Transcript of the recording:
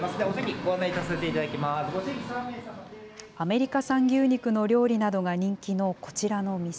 アメリカ産牛肉の料理などが人気のこちらの店。